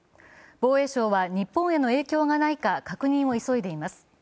防衛省は日本への影響がないか確認を急いでいます。